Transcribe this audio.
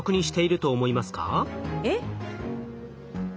えっ？